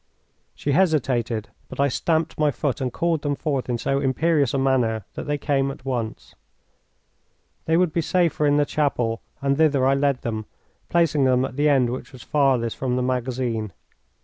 She hesitated, but I stamped my foot and called them forth in so imperious a manner that they came at once. They would be safer in the chapel, and thither I led them, placing them at the end which was farthest from the magazine.